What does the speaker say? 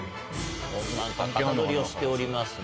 何か型取りをしておりますね。